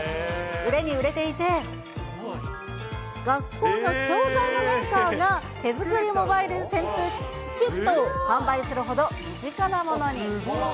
売れに売れていて、学校の教材のメーカーが手作りモバイル扇風機キットを販売するほど身近なものに。